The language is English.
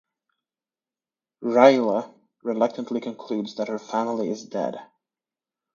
Rayla reluctantly concludes that her family is dead.